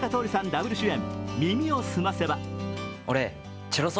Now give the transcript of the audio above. ダブル主演「耳をすませば」。